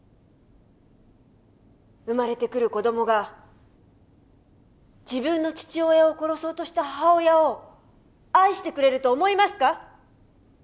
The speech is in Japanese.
生まれてくる子どもが自分の父親を殺そうとした母親を愛してくれると思いますか？